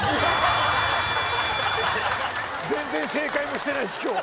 全然正解もしてないし今日。